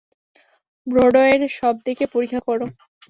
ব্রডওয়ের সব দিকে পরীক্ষা করো।